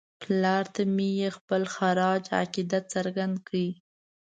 پلار ته مې یې خپل خراج عقیدت څرګند کړ.